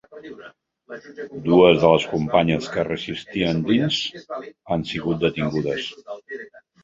Dues de les companyes que resistien dins han sigut detingudes.